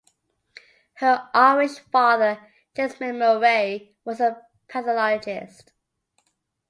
Her Irish father, James McMurray, was a pathologist.